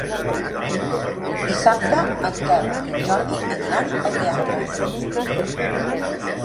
Dissabte en Quel i en Jordi aniran al teatre.